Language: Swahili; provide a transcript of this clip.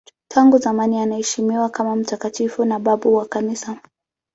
Tangu zamani anaheshimiwa kama mtakatifu na babu wa Kanisa.